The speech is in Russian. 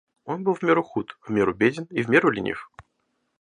Он был в меру худ, в меру беден и в меру ленив.